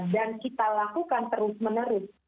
dan kita lakukan terus menerus